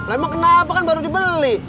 lama kenapa kan baru dibeli